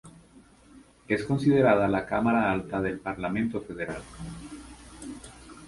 Es considerada la Cámara alta del Parlamento Federal.